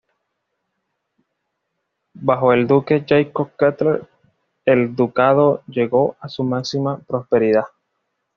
Bajo el duque Jacob Kettler, el ducado llegó a su máxima prosperidad.